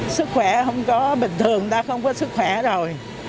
sức khỏe không có bình thường người ta không có sức khỏe rồi